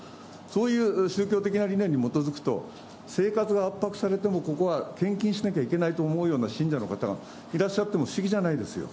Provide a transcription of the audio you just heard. そういう宗教的な理念に基づくと、生活が圧迫されてもここは献金しなきゃいけないと思うような信者の方がいらっしゃっても、不思議じゃないですよ。